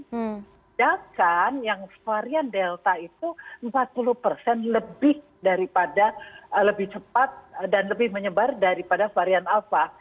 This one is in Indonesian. sedangkan yang varian delta itu empat puluh persen lebih daripada lebih cepat dan lebih menyebar daripada varian alpha